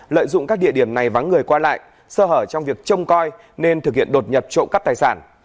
lợi dụng các địa điểm này vắng người qua lại sơ hở trong việc trông coi nên thực hiện đột nhập trộm cắp tài sản